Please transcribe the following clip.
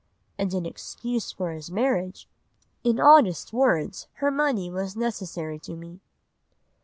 '" and in excuse for his marriage, "'In honest words her money was necessary to me.